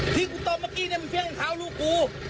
ที่กูตบเมื่อกี้มันเปรี้ยงเท้าลูกกู